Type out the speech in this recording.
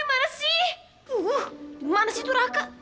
masih turak kek